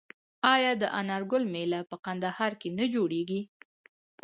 آیا د انار ګل میله په کندهار کې نه جوړیږي؟